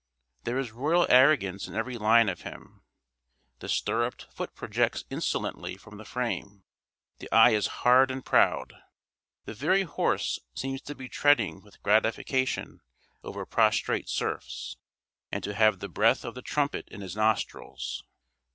There is royal arrogance in every line of him; the stirruped foot projects insolently from the frame; the eye is hard and proud; the very horse seems to be treading with gratification over prostrate serfs, and to have the breath of the trumpet in his nostrils.